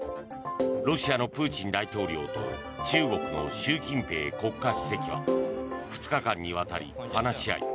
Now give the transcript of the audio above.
ロシアのプーチン大統領と中国の習近平国家主席は２日間にわたり話し合い